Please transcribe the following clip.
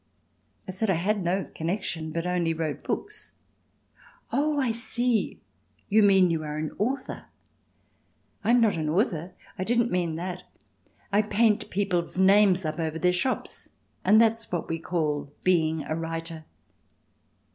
I said I had no connection but only wrote books. "Oh! I see. You mean you are an author. I'm not an author; I didn't mean that. I paint people's names up over their shops, and that's what we call being a writer.